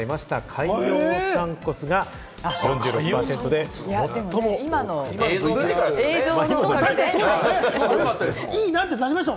海洋散骨が４６％で最も多くなりました。